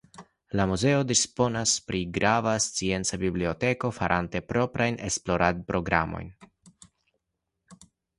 La muzeo disponas pri grava scienca biblioteko farante proprajn esploradprogramojn.